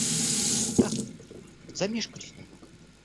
Так, замешкались немного.